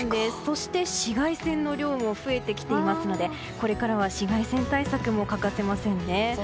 そして、紫外線の量も増えてきていますのでこれからは紫外線対策も欠かせませんね。